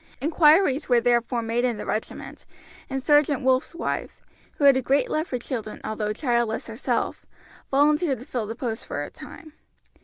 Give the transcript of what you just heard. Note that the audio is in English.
Inquiries were therefore made in the regiment, and Sergeant Wolf's wife, who had a great love for children although childless herself, volunteered to fill the post for a time.